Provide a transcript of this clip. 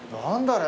あれ。